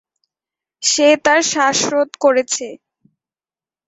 সে তার শ্বাসরোধ করছে।